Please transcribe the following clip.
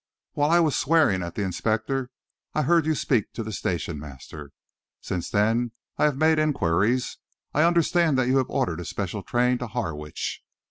While I was swearing at the inspector, I heard you speak to the station master. Since then I have made inquiries. I understand that you have ordered a special train to Harwich."